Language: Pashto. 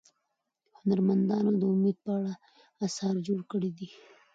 هنرمندانو د امید په اړه اثار جوړ کړي دي.